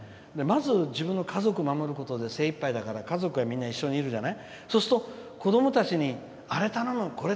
まず自分の家族を守ることで精いっぱいだから家族は一緒にいるじゃない。